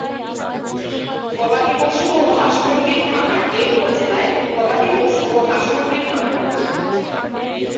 গবাদিপশু ও হাঁস-মুরগির খামার এ উপজেলায় গবাদিপশু ও হাঁস-মুরগির খামার রয়েছে।